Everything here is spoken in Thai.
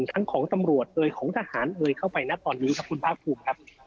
ทั้งของตำรวจเอ่ยของทหารเอยเข้าไปนะตอนนี้ครับคุณภาคภูมิครับ